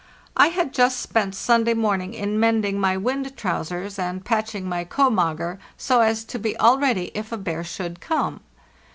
I had just spent Sunday morning in mending my wind trousers and patching my 'komager, so as to be all ready if a bear should come.